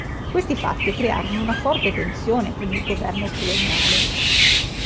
Questi fatti crearono una forte tensione con il governo coloniale.